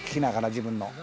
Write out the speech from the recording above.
「自分の？」